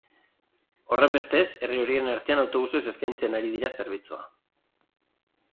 Horrenbestez, herri horien artean autobusez eskaintzen ari dira zerbitzua.